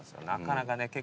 なかなかね